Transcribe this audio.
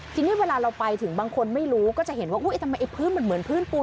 ทีนี้เวลาเราไปถึงบางคนไม่รู้ก็จะเห็นว่าอุ๊ยทำไมไอ้พื้นมันเหมือนพื้นปูน